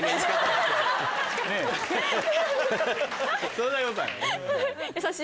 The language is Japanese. そんなことはない？